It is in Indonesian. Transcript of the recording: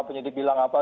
penyidik bilang apa